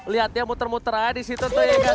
lihat dia muter muter aja disitu